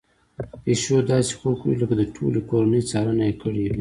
پيشو داسې خوب کوي لکه د ټولې کورنۍ څارنه يې کړې وي.